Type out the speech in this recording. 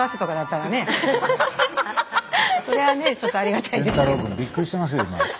そりゃあねちょっとありがたいですけど。